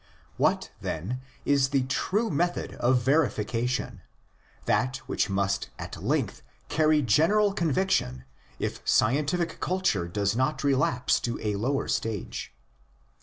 What, then, is the true method of verification, that which must at length carry general conviction if scientific culture does not relapse to a lower stage